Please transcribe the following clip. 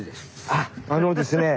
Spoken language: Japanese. あっあのですね